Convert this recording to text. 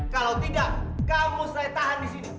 kalau tidak kamu saya tahan di sini